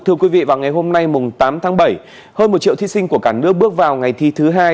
thưa quý vị vào ngày hôm nay tám tháng bảy hơn một triệu thí sinh của cả nước bước vào ngày thi thứ hai